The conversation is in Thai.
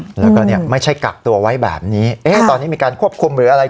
แล้วก็เนี่ยไม่ใช่กักตัวไว้แบบนี้เอ๊ะตอนนี้มีการควบคุมหรืออะไร